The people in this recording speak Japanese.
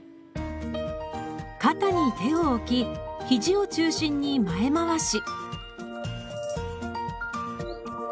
肩に手を置きひじを中心に前回し。